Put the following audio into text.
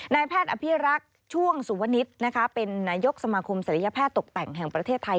นายแพทย์อภิรักษ์ช่วงสุวนิตเป็นนายกสมาคมศัลยแพทย์ตกแต่งแห่งประเทศไทย